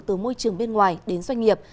từ môi trường bên ngoài đến doanh nghiệp